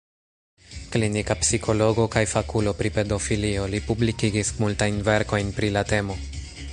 Klinika psikologo kaj fakulo pri pedofilio, li publikigis multajn verkojn pri la temo.